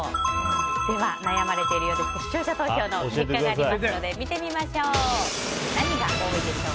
では、悩まれているようですが視聴者投票の結果を見てみましょう。